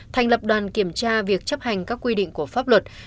thành lập đoàn kiểm tra việc chấp hành các quy định của pháp luật